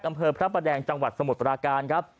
อำเภอพระประแดงจังหวัดสมุทรปราการครับ